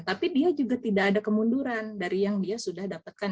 tapi dia juga tidak ada kemunduran dari yang dia sudah dapatkan